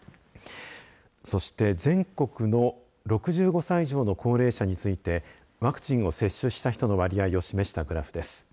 そして、全国の６５歳以上の高齢者についてワクチンを接種した人の割合を示したグラフです。